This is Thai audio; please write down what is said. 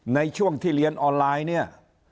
ในช่วงที่เรียนออนไลน์เนี่ย